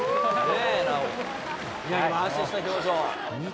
今、安心した表情。